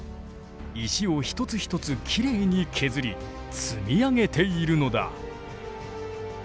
石を一つ一つきれいに削り積み上げているのだ。